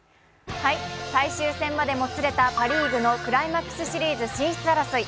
最終戦までもつれたパ・リーグのクライマックスシリーズ進出争い。